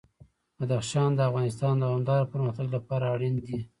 بدخشان د افغانستان د دوامداره پرمختګ لپاره اړین دي.